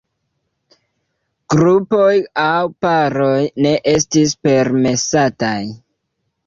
Grupoj aŭ paroj ne estis permesataj.